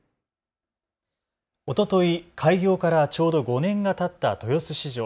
おととい開業からちょうど５年がたった豊洲市場。